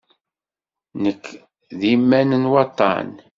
Nekk d iman n waṭṭan.